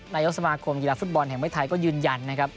นายกสมาคมกีฬาฟุตบอลแห่งประเทศไทยก็ยืนยันนะครับ